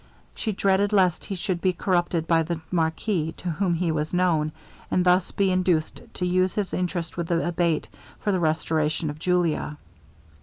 She dreaded lest he should be corrupted by the marquis, to whom he was known, and thus be induced to use his interest with the Abate for the restoration of Julia.